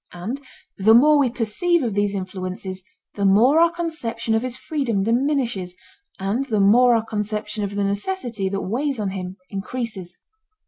And the more we perceive of these influences the more our conception of his freedom diminishes and the more our conception of the necessity that weighs on him increases.